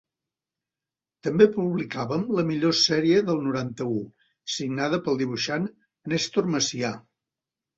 També publicàvem la millor sèrie del noranta-u, signada pel dibuixant Nèstor Macià.